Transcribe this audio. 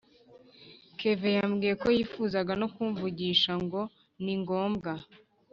kevin yambwiye ko yifizaga no kumvugisha ngo ni ngombwa